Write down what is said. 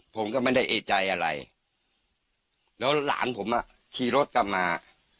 ผมก็ไม่ได้เอกใจอะไรแล้วหลานผมอ่ะขี่รถกลับมา